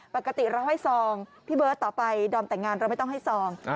ปกติเราให้ซองพี่เบิร์ตต่อไปดอมแต่งงานเราไม่ต้องให้ซอง